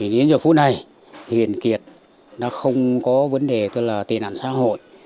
đến giờ phút này hiền kiệt đã không có vấn đề tên ảnh xã hội